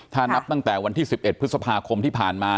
ถ้านับตั้งแต่วันที่๑๑พฤษภาคมที่ผ่านมา